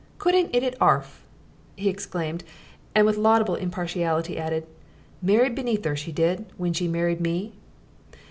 "Couldn't 'it it orf," he explained, and with laudable impartiality added, "Married beneath 'er, she did, w'en she married me."